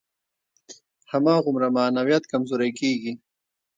هماغومره معنویت کمزوری کېږي.